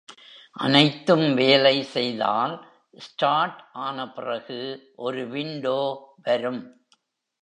அனைத்தும் வேலை செய்தால், ஸ்டார்ட் ஆனபிறகு ஒரு விண்டோ வரும்.